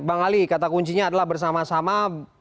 bang ali kata kuncinya adalah bersama sama